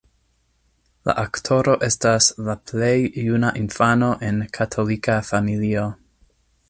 La aktoro estas la plej juna infano en katolika familio.